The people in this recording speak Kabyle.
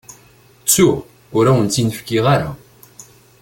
Ttuɣ, ur awent-tt-in-fkiɣ ara.